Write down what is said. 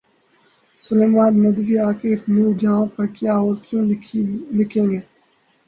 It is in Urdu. سلیمان ندوی آخر نورجہاں پر کیا اور کیوں لکھیں گے؟